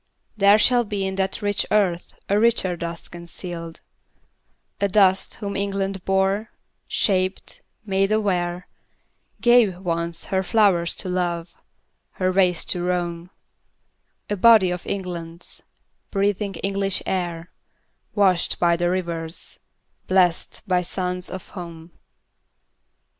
There shall be In that rich earth a richer dust concealed; A dust whom England bore, shaped, made aware, Gave, once, her flowers to love, her ways to roam, A body of England's, breathing English air, Washed by the rivers, blest by suns of home.